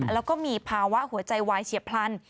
และมีภาวะหัวใจวายเชี่ยพลัน